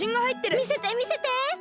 みせてみせて！